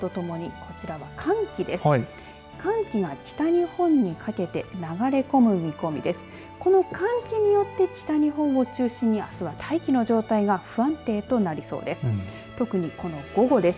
この寒気によって北日本を中心にあすは大気の状態が不安定となりそうです。